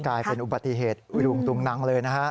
กลายเป็นอุบัติเหตุรุงตุงนังเลยนะฮะ